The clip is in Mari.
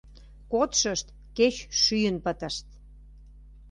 Кодшышт кеч шӱйын пытышт!